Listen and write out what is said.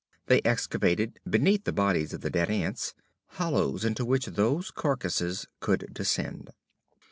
They excavated, beneath the bodies of the dead ants, hollows into which those carcasses could descend.